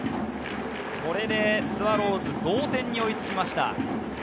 これでスワローズ、同点に追いつきました。